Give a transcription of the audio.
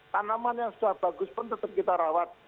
tanaman yang sudah bagus pun tetap kita rawat